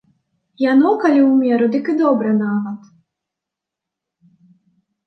Яно, калі ў меру, дык і добра нават.